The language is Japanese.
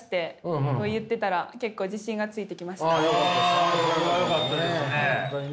あそれはよかったですね。